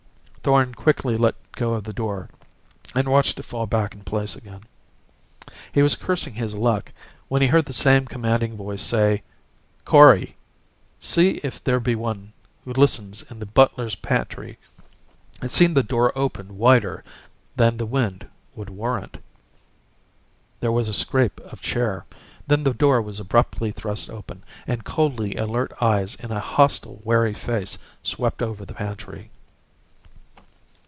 Thorn quickly let go of the door, and watched it fall back in place again. He was cursing his luck when he heard the same commanding voice say: "Kori, see if there be one who listens in the butler's pantry. It seemed the door opened wider than the wind would warrant." There was the scrape of a chair. Then the door was abruptly thrust open and coldly alert eyes in a hostile, wary face, swept over the pantry.